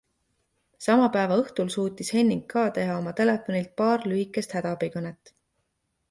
Sama päeva õhtul suutis Henning K. teha oma telefonilt paar lühikest hädaabikõnet.